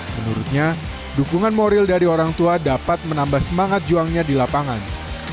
menurutnya dukungan moral dari orang tua dapat menambah semangat juangnya di lapangan